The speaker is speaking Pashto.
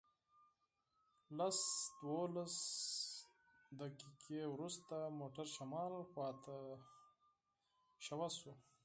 لس دولس دقیقې وروسته موټر شمال خواته تاو شو.